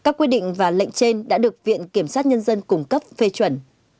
các quy định và lệnh trên đã được viện kiểm sát nhân dân cung cấp phê chuẩn